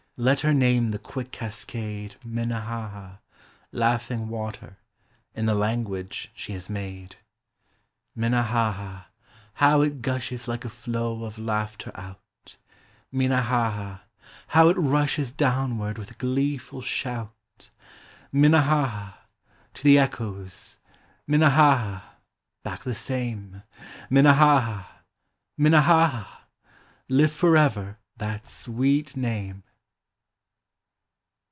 Let her name the quick cascade Minnehaha Laughing Water In the language she has made ! Minnehaha ! how it gushes Like a flow of laughter out ! Minnehaha ! how it rushes Downward with a gleeful shout ! Minnehaha ! to the echoes Minnehaha ! back the same Minnehaha! Minnehaha! Live forever that sweet name